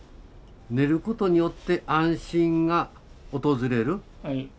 寝ることによって安心が訪れる。